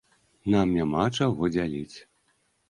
Нам няма чаго дзяліць.